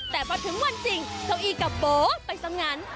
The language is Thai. แต่พอถึงวันจริงเจ้าอี้กับโบ๊ะไปซ้ำงั้น